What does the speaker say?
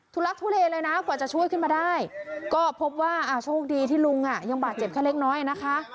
ลักทุเลเลยนะกว่าจะช่วยขึ้นมาได้ก็พบว่าโชคดีที่ลุงอ่ะยังบาดเจ็บแค่เล็กน้อยนะคะ